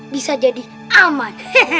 bisa jadi aman